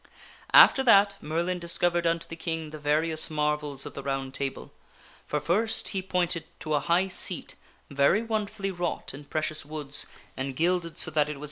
After that Merlin discovered unto the King the various marvels of the King Arthur is R un d Table, for first he pointed to a high seat, very wonder seatedatthe fully wrought in precious woods and gilded so that it was Round Table.